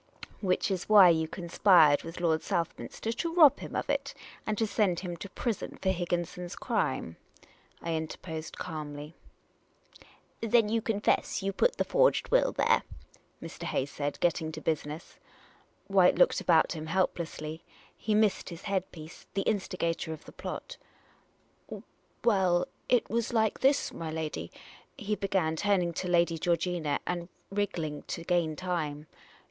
" Which is why you conspired with Lord Southminster to rob him of it, and to send him to prison for Higginson's crime," I interposed ^almly. The Unprofessional Detective 337 " Then you confess you put the forged will there ?" Mr. Hayes said, getting to business. White looked about him helplessly. He missed his head piece, the instigator of the plot. " Well, it was like this, my lady," he began, turning to Lady Georgina, and wrig gling to gain time.